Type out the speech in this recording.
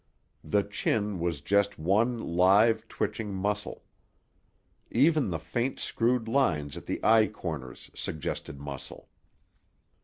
The chin was just one live, twitching muscle. Even the faint screwed lines at the eye corners suggested muscle.